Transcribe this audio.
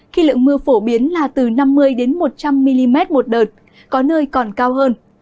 khi lượng mưa phổ biến là từ năm mươi một trăm linh mm một đợt có nơi còn cao hơn